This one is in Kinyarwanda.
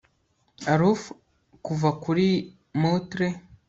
Aloof kuva kuri motle